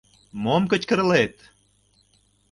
— Мом кычкырлет?